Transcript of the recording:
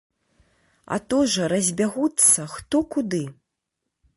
А то ж разбягуцца хто куды!